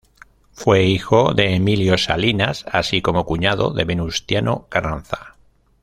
Fue hijo de Emilio Salinas, así como cuñado de Venustiano Carranza.